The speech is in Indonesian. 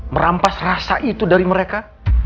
merampas rasa itu dari mereka